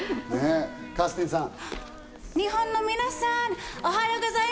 カースティンさん。